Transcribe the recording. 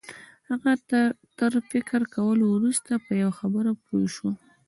هغه تر فکر کولو وروسته په یوه خبره پوه شو